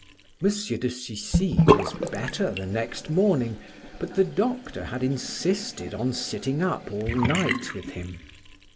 M. de Sucy was better the next morning, but the doctor had insisted on sitting up all night with him.